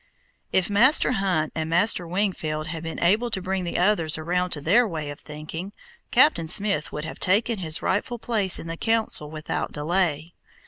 If Master Hunt and Master Wingfield had been able to bring the others around to their way of thinking, Captain Smith would have taken his rightful place in the Council without delay.